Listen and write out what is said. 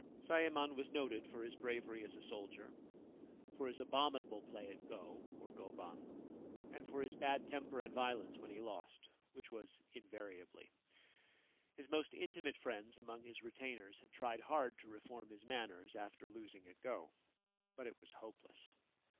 Sayemon was noted for his bravery as a soldier, for his abominable play at go (or goban), and for his bad temper and violence when he lost, which was invariably. His most intimate friends among his retainers had tried hard to reform his manners after losing at go ; but it was hopeless.